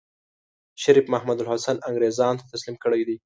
شريف محمودالحسن انګرېزانو ته تسليم کړی دی.